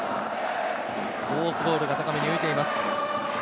フォークボールが高めに浮いています。